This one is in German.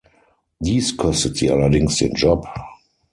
Dies kostet sie allerdings den Job.